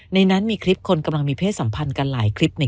ในนั้นมีคลิปคนกำลังมีเพศสัมพันธ์กันหลายคลิปใน